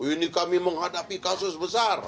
ini kami menghadapi kasus besar